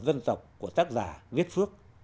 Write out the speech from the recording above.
dân tộc của tác giả việt phước